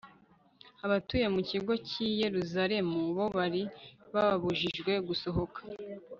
abatuye mu kigo cy'i yeruzalemu bo bari babujijwe gusohoka